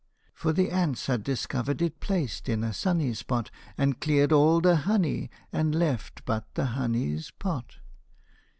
For the ants had discovered it placed in a sunny spot, And cleared all the honey, and left but the honey's pot.